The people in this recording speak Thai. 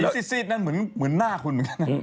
สีซีดนั่นเหมือนหน้าคุณ